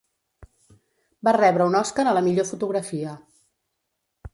Va rebre un Oscar a la millor fotografia.